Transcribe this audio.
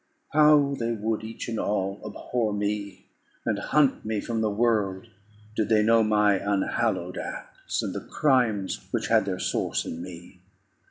How they would, each and all, abhor me, and hunt me from the world, did they know my unhallowed acts, and the crimes which had their source in me!